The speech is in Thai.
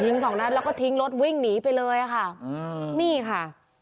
สองนัดแล้วก็ทิ้งรถวิ่งหนีไปเลยอะค่ะนี่ค่ะ